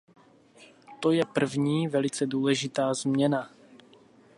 To je první, velice důležitá změna.